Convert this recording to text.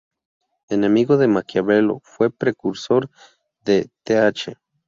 Enemigo de Maquiavelo, fue precursor de Th.